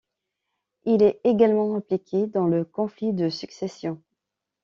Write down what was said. Il est également impliqué dans le conflit de succession.